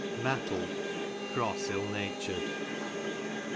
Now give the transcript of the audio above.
I Knattle, cross iU natured.